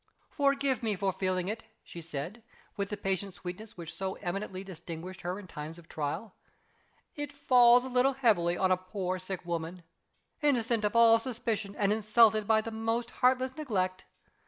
"Forgive me for feeling it!" she said, with the patient sweetness which so eminently distinguished her in times of trial. "It falls a little heavily on a poor sick woman innocent of all suspicion, and insulted by the most heartless neglect.